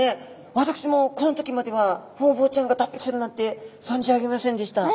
私もこの時まではホウボウちゃんが脱皮するなんて存じ上げませんでした。